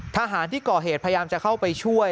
ทหารที่ก่อเหตุพยายามจะเข้าไปช่วย